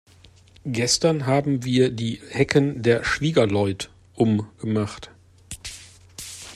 Gestern haben wir die Hecken der Schwiegerleut um gemacht.